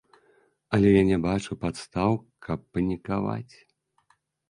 Але я не бачу падстаў, каб панікаваць.